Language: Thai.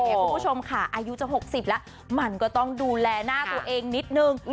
คุณผู้ชมค่ะอายุจะ๖๐แล้วมันก็ต้องดูแลหน้าตัวเองนิดนึง